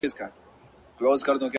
د دغه مار د ويښېدلو کيسه ختمه نه ده-